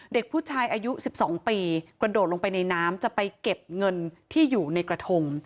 เด็กผู้ชายอายุ๑๒ปีกระโดดลงไปในน้ำจะไปเก็บเงินที่อยู่ในกระทง